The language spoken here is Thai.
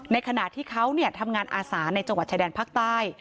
ขณะที่เขาทำงานอาสาในจังหวัดชายแดนภาคใต้